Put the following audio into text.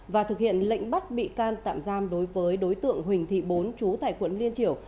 và thực hiện lệnh bắt bị can tạm giam đối với đối tượng huỳnh thị bốn chú tại quận liên triểu